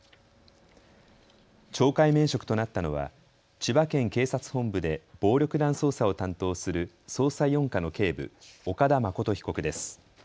懲戒免職となったのは千葉県警察本部で暴力団捜査を担当する捜査４課の警部、岡田誠被告です。